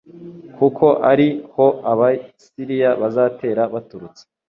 kuko ari ho abasiriya bazatera baturutse